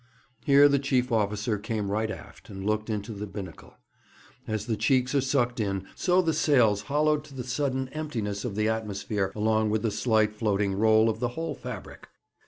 Here the chief officer came right aft, and looked into the binnacle. As the cheeks are sucked in, so the sails hollowed to the sudden emptiness of the atmosphere along with the slight floating roll of the whole fabric.